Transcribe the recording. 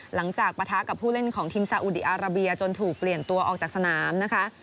ปะทะกับผู้เล่นของทีมซาอุดีอาราเบียจนถูกเปลี่ยนตัวออกจากสนามนะคะ